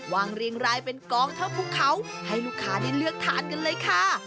เรียงรายเป็นกองเท่าภูเขาให้ลูกค้าได้เลือกทานกันเลยค่ะ